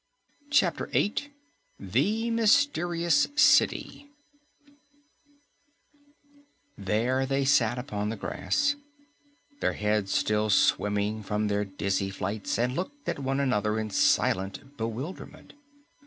CHAPTER 8 THE MYSTERIOUS CITY There they sat upon the grass, their heads still swimming from their dizzy flights, and looked at one another in silent bewilderment.